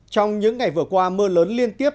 trong những ngày vừa qua mưa lớn liên tiếp